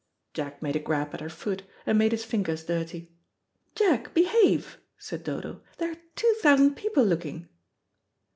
Jack made a grab at her foot, and made his fingers dirty. "Jack, behave," said Dodo; "there are two thousand people looking."